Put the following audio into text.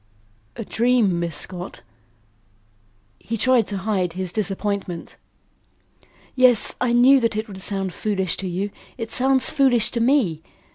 "A dream, Miss Scott?" He tried to hide his disappointment. "Yes; I knew that it would sound foolish to you; it sounds foolish to me.